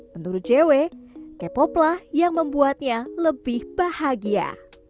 menurut jw k pop lah yang membuatnya lebih bahagia